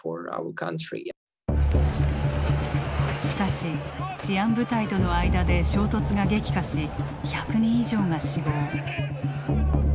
しかし治安部隊との間で衝突が激化し１００人以上が死亡。